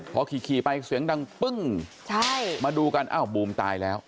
พอขี่ไปเสียงดังปึ้งมาดูกันอ้าวบูมตายแล้ว